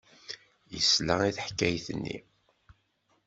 Yesla i teḥkayt-nni.